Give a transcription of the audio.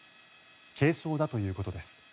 軽傷だということです。